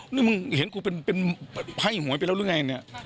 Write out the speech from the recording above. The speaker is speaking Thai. นี่มึงเห็นกูเป็นไพ่หวยไปแล้วหรือไงเนี่ย